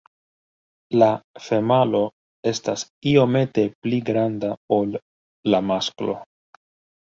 La femalo estas iomete pli granda ol la masklo.